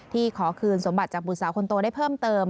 ขอคืนสมบัติจากบุตรสาวคนโตได้เพิ่มเติม